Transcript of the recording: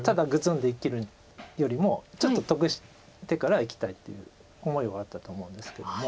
んで生きるよりもちょっと得してからいきたいという思いはあったと思うんですけども。